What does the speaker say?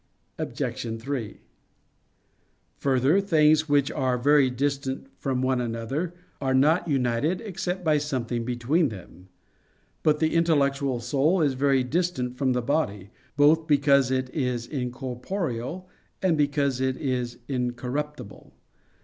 Obj. 3: Further, things which are very distant from one another, are not united except by something between them. But the intellectual soul is very distant from the body, both because it is incorporeal, and because it is incorruptible.